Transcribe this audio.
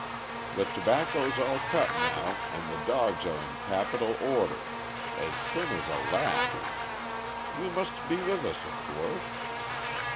The tobacco's all cut now, and the dogs are in capital order as thin as a lath. You must be with us, of course.